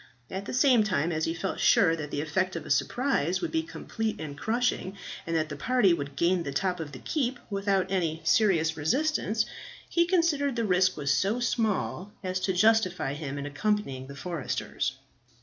At the same time as he felt sure that the effect of a surprise would be complete and crushing, and that the party would gain the top of the keep without any serious resistance, he considered the risk was so small as to justify him in accompanying the foresters.